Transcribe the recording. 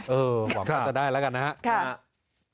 หวังว่าจะได้แล้วกันนะครับ